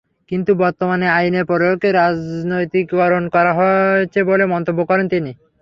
কিন্তু বর্তমানে আইনের প্রয়োগকে রাজনৈতিকীকরণ করা হয়েছে বলে মন্তব্য করেন তিনি।